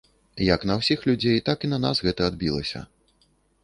Як на ўсіх людзей, так і на нас гэта адбілася.